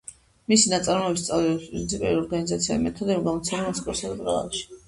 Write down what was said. მისი ნაშრომი „სწავლების პრინციპები, ორგანიზაცია და მეთოდები“ გამოცემულია მოსკოვსა და პრაღაში.